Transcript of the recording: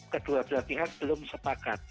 kedua belah pihak belum sepakat